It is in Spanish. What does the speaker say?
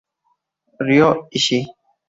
Ryo Ishii